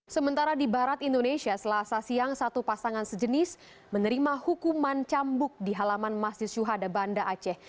sementara di barat indonesia selasa siang satu pasangan sejenis menerima hukuman cambuk di halaman masjid syuhada banda aceh